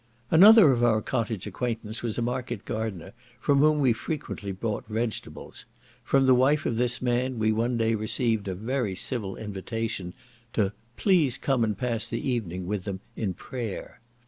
Another of our cottage acquaintance was a market gardener, from whom we frequently bought vegetables; from the wife of this man we one day received a very civil invitation to "please to come and pass the evening with them in prayer."